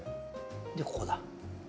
でここだ。